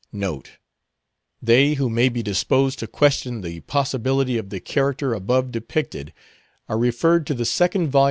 Note.—They who may be disposed to question the possibility of the character above depicted, are referred to the 2d vol.